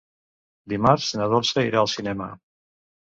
Dimarts na Dolça irà al cinema.